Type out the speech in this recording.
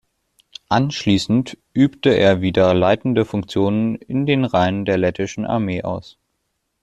Anschließend übte er wieder leitende Funktionen in den Reihen der lettischen Armee aus.